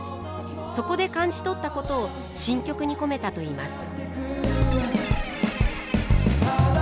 そこで感じとったことを新曲に込めたといいます。